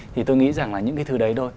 thì tôi nghĩ rằng là những cái thứ đấy thôi